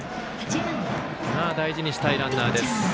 大事にしたいランナーです。